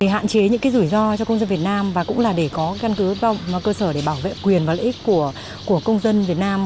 hạn chế những rủi ro cho công dân việt nam và cũng là để có căn cứ cơ sở để bảo vệ quyền và lợi ích của công dân việt nam